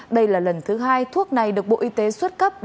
đây là lần thứ hai thuốc này được bộ y tế xuất cấp